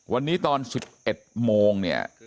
วันนี้ตอน๑๑โมงเนี่ย